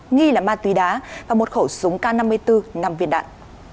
nghi là ma tùy đá và một khẩu súng k năm mươi bốn nằm viên đạn